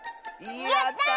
やった！